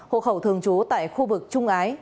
hộ khẩu thường trú tại khu vực trung ái